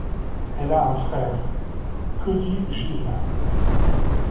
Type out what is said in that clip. Elle a un frère, Cody Gill.